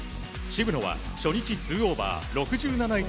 渋野は初日２オーバー６７位